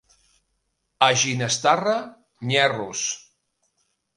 A Ginestarre, nyerros.